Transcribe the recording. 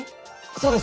そうです。